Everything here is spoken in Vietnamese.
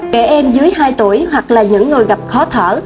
trẻ em dưới hai tuổi hoặc là những người gặp khó thở